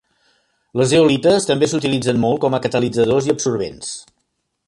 Les zeolites també s'utilitzen molt com a catalitzadors i absorbents.